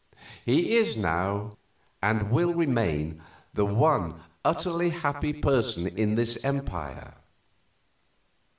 He is now, and will remain, the one utterly happy person in this empire."